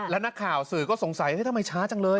แล้วนักข่าวสื่อก็สงสัยทำไมช้าจังเลย